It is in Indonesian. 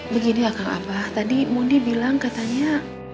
begini akang abah tadi mondi bilang katanya